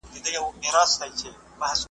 خدایه عمر مي تر جار کړې زه د ده په نوم ښاغلی ,